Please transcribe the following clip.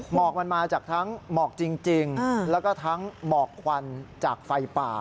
หมอกมันมาจากทั้งหมอกจริงแล้วก็ทั้งหมอกควันจากไฟป่า